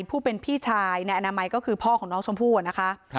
ผู้เป็นพี่ชายนายอนามัยก็คือพ่อของน้องชมพู่นะคะ